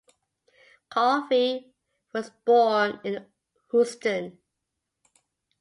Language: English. Calfee was born in Houston.